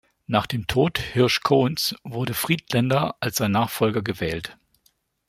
Nach dem Tod Hirsch Cohens wurde Friedländer als sein Nachfolger gewählt.